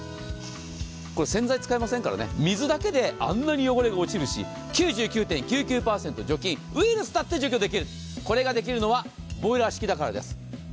これは洗剤使いませんからね、水だけであんなに汚れが落ちるし、９９．９９％除菌、ウイルスだつて除去できる、これができるのはボイラー式だからです。